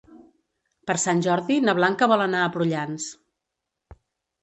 Per Sant Jordi na Blanca vol anar a Prullans.